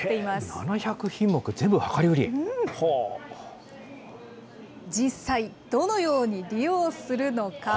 ７００品目、全部量り売り、実際、どのように利用するのか。